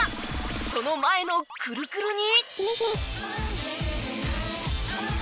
その前のクルクルに